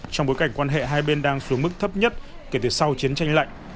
trong bối cảnh quan hệ hai bên đang xuống mức thấp nhất kể từ sau chiến tranh lạnh